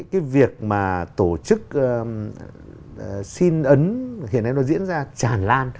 cái việc mà tổ chức xin ấn hiện nay nó diễn ra tràn lan